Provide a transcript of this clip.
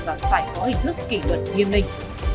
và phải có hình thức kỷ luật nghiêm minh